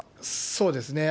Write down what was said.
そうですね。